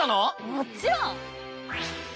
もちろん！